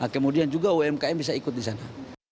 kemudian juga umkm bisa ikut di sana